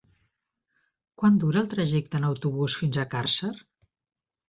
Quant dura el trajecte en autobús fins a Càrcer?